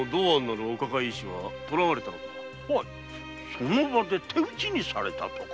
その場で手討ちにされたとか。